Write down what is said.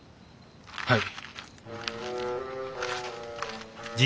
はい。